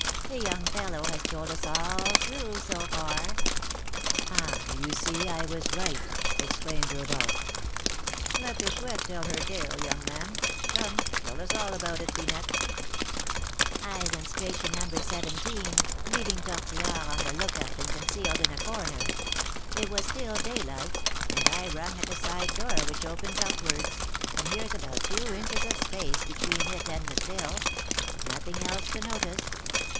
"The young fellow has told us all true, so far." "Ah! you see I was right," exclaimed Rodolph. "Let the Chouette tell her tale, young man. Come, tell us all about it, Finette." "I went straight to No. 17, leaving Tortillard on the lookout and concealed in a corner. It was still daylight, and I rung at a side door which opens outwards, and here's about two inches of space between it and the sill; nothing else to notice.